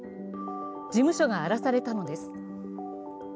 事務所が荒らされたのです。